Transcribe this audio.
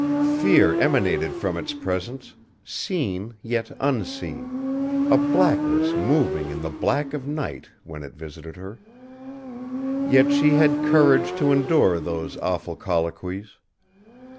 Fear emanated from its presence, seen yet unseen, a blackness moving in the black of night when it visited her. Yet she had courage to endure those awful colloquies.